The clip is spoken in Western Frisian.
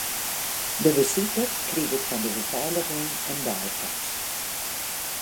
De besiker kriget fan de befeiliging in deipas.